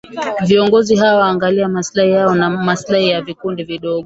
viongozi hawata angalia maslahi yao na maslahi ya vikundi vidogo